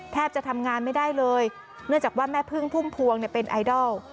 จะทำงานไม่ได้เลยเนื่องจากว่าแม่พึ่งพุ่มพวงเนี่ยเป็นไอดอล